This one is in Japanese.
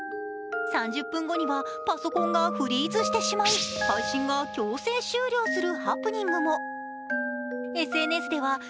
３０分後にはパソコンがフリーズしてしまい配信が強制終了するハプニングも。